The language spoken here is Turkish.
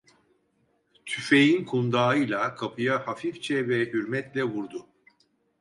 Tüfeğin kundağıyla kapıya hafifçe ve hürmetle vurdu.